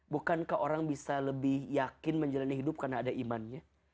bukankah orang bisa lebih yakin menjalani hidup karena ada imannya